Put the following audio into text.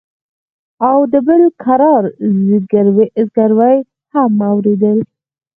او د بل کرار زگيروي هم واورېدل.